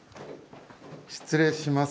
失礼します。